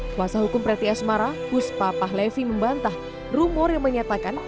kuasa hukum preti asmara hus papah levi membantah rumor yang menyatakan